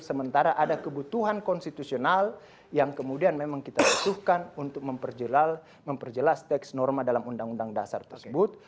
sementara ada kebutuhan konstitusional yang kemudian memang kita butuhkan untuk memperjelas teks norma dalam undang undang dasar tersebut